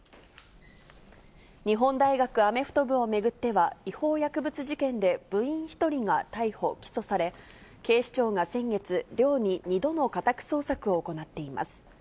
日本大学アメフト部を巡っては、違法薬物事件で部員１人が逮捕・起訴され、警視庁が先月、寮に２度の家宅捜索を行っています。